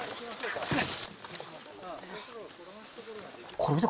これ見て。